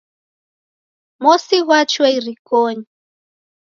Mosi ghwachua irikonyi